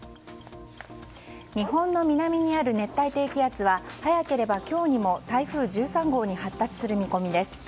日本の南にある熱帯低気圧は早ければ今日にも台風１３号に発達する見込みです。